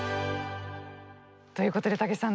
ということでたけしさん